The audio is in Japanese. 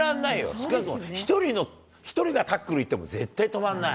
しかも１人がタックルいっても絶対止まんない。